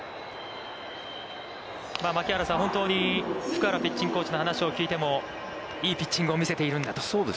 槙原さん、本当に福原ピッチングコーチの話を聞いてもいいピッチングを見せているんだと。